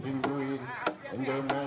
yang di dudukan duduk di singgul